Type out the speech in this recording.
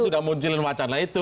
tapi sudah munculin macam itu